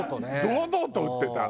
堂々と売ってた。